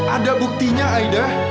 ada buktinya aida